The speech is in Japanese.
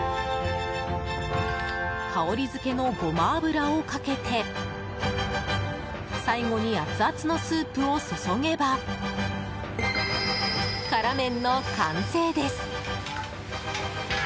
香りづけのごま油をかけて最後に、アツアツのスープを注げば辛麺の完成です。